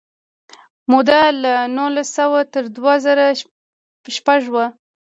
موده له نولس سوه تر دوه زره شپږ وه.